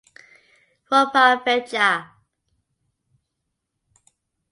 Ropa Vieja